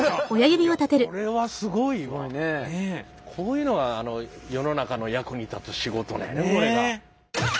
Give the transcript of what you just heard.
こういうのが世の中の役に立つ仕事なんやねこれが。